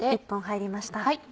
１本入りました。